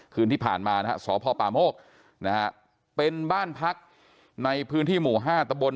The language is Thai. คืนที่ผ่านมานะฮะสพป่าโมกนะฮะเป็นบ้านพักในพื้นที่หมู่๕ตะบน